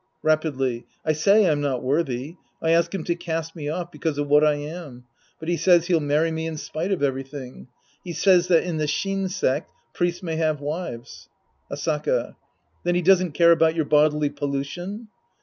{Rapidly.) I say I'm not worthy. I ask him to cast me off because of what I am. But he says he'll many me in spite of eveiything. He says that in the Shin sect priests may have wives. Asaka. Then he doesn't care about your bodily pollution